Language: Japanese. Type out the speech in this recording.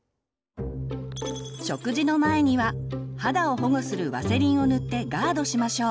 食事の前には肌を保護するワセリンを塗ってガードしましょう。